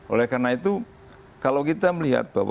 oleh karena itu kalau kita berpikir kita harus berpikir